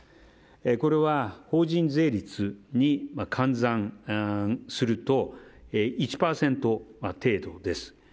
これは、法人税率に換算すると１％程度です。